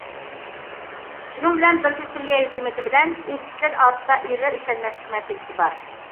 شۇنىڭ بىلەن بىرگە سۈرىيە ھۆكۈمىتى بىلەن ئۆكتىچىلەر ئارىسىدا ئېغىر ئىشەنمەسلىك مەسىلىسى بار.